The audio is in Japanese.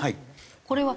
これは？